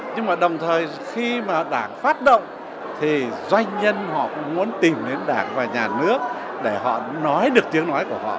nhưng mà đồng thời khi mà đảng phát động thì doanh nhân họ cũng muốn tìm đến đảng và nhà nước để họ nói được tiếng nói của họ